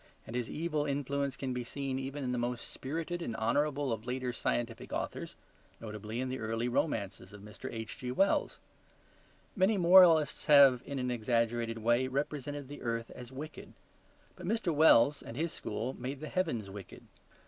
And his evil influence can be seen even in the most spirited and honourable of later scientific authors; notably in the early romances of Mr. H.G.Wells. Many moralists have in an exaggerated way represented the earth as wicked. But Mr. Wells and his school made the heavens wicked.